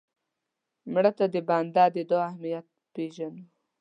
مړه ته د بنده د دعا اهمیت پېژنو